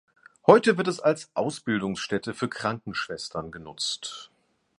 Heute wird es als Ausbildungsstätte für Krankenschwestern genutzt.